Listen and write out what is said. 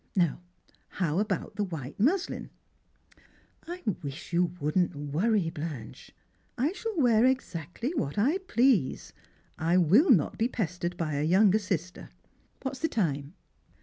Now, how about the white muslin ?" "I wish you wouldn't worry, Blanche; I shall wear exactly what I please. I will not be pestered by a younger sister. What's the time?"